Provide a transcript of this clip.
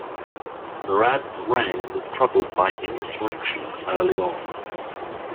Murad's reign was troubled by insurrection early on.